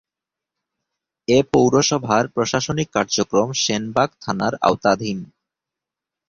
এ পৌরসভার প্রশাসনিক কার্যক্রম সেনবাগ থানার আওতাধীন।